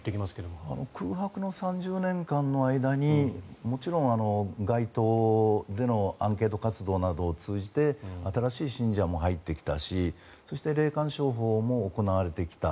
空白の３０年間の間にもちろん、街頭でのアンケート活動などを通じて新しい信者も入ってきたしそして霊感商法も行われてきた。